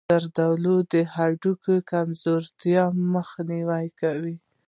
زردآلو د هډوکو د کمزورۍ مخنیوی کوي.